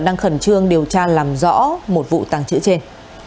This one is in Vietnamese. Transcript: đang khẩn trương điều tra làm rõ một vụ tàng trữ trên